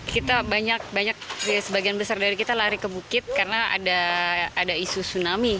kita banyak banyak sebagian besar dari kita lari ke bukit karena ada isu tsunami